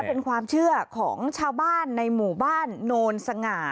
เป็นความเชื่อของชาวบ้านในหมู่บ้านโนนสง่า